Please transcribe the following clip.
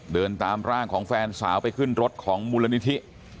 เดินตามร่างของแฟนสาวไปขึ้นรถของมูลนิธิ